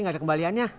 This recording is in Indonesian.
nggak ada kembaliannya